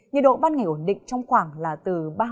nhiệt độ ban ngày ổn định trong khoảng là từ